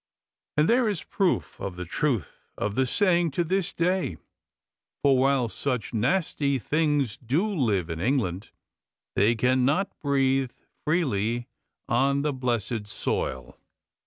And there is proof of the truth of the saying to this day, for while such nasty things do live in England they cannot breathe freely on the blessed soil.